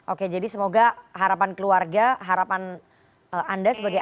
oke jadi semoga harapan keluarga harapan anda sebagai